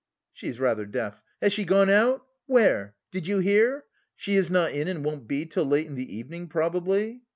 She is rather deaf. Has she gone out? Where? Did you hear? She is not in and won't be till late in the evening probably.